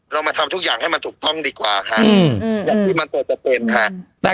เรามาทำทุกอย่างให้มันถูกต้องดีกว่าค่ะอืมอืมแต่